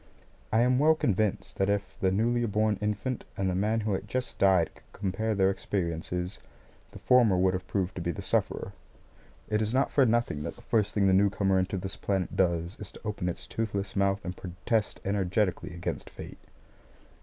I am well convinced that if the newly born infant and the man who had just died could compare their experiences, the former would have proved to be the sufferer. It is not for nothing that the first thing the newcomer into this planet does is to open its toothless mouth and protest energetically against fate.